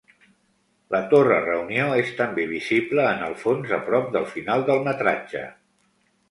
La Torre Reunió és també visible en el fons a prop del final del metratge.